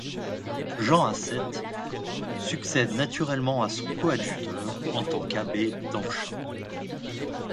Jean Asset succède naturellement à son coadjuteur en tant qu'abbé d'Anchin.